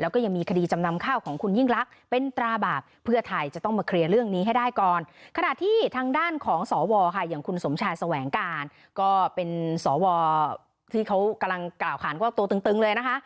แล้วก็เป็นสวที่เขากำลังกล่าวคานว่าตัวตึงเลยนะคะ